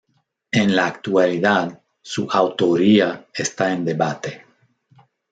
En la actualidad, su autoría está en debate.